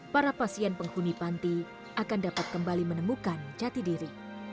para pasien penghuni panti akan dapat kembali menemukan jati diri